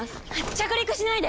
着陸しないで！